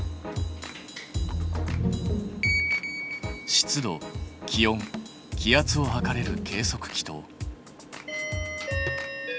湿度気温気圧を測れる計測器と。